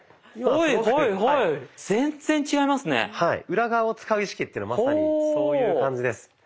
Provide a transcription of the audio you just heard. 裏側を使う意識ってまさにそういう感じです。